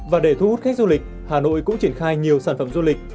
và để thu hút khách du lịch hà nội cũng triển khai nhiều sản phẩm du lịch